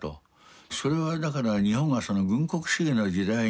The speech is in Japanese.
それはだから日本が軍国主義の時代にね入って